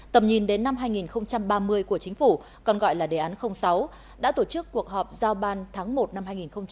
tầm nhìn đến năm hai nghìn ba mươi của chính phủ còn gọi là đề án sáu đã tổ chức cuộc họp giao ban tháng một năm hai nghìn hai mươi